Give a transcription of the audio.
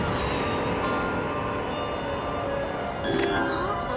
あっ。